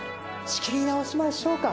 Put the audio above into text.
仕切り直しましょうか。